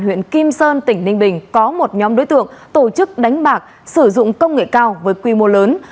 huyện kim sơn tỉnh ninh bình có một nhóm đối tượng tổ chức đánh bạc sử dụng công nghệ cao với quy mô lớn